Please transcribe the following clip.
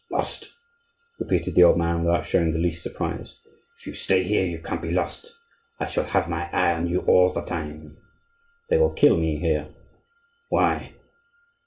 "Lost?" repeated the old man, without showing the least surprise. "If you stay here you can't be lost; I shall have my eye on you all the time." "They will kill me here." "Why?"